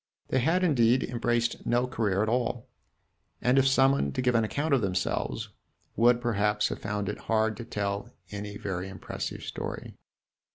They had, indeed, embraced no career at all, and if summoned to give an account of themselves would, perhaps, have found it hard to tell any very impressive story.